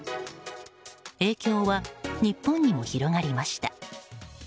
影響は日本にも広がりました。